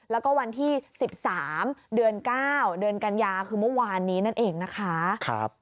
แล้วก็วันที่๑๓เดือน๙เดือนกันยาคือเมื่อวานนี้นั่นเองนะคะ